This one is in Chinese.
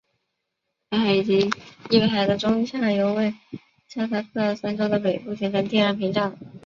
北海以及易北河的中下游为下萨克森州的北部形成了天然屏障。